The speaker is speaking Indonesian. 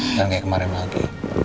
jangan kayak kemarin lagi